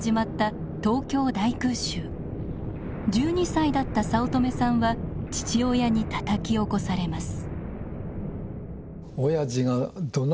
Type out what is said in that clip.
１２歳だった早乙女さんは父親にたたき起こされます。